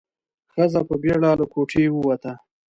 ښځه په بيړه له کوټې ووته.